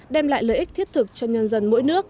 đem lại lợi ích thiết thực cho nhân dân mỗi nước